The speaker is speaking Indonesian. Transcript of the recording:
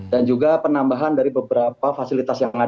dan juga penambahan dari beberapa fasilitas yang ada di sana